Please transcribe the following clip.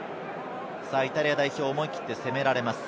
イタリア代表、思い切って攻められます。